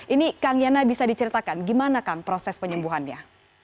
ini kang yana bisa diceritakan gimana kang proses penyembuhannya